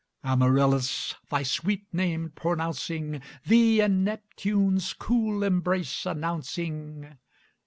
Amaryllis, thy sweet name pronouncing, Thee in Neptune's cool embrace announcing.